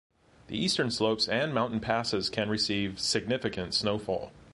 The eastern slopes and mountain passes can receive significant snowfall.